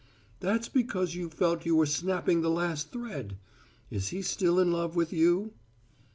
"That's because you felt you were snapping the last thread. Is he still in love with you?"